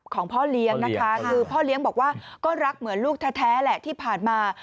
พ่อเลี้ยงนะคะคือพ่อเลี้ยงบอกว่าก็รักเหมือนลูกแท้แหละที่ผ่านมา